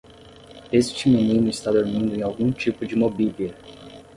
Este menino está dormindo em algum tipo de mobília.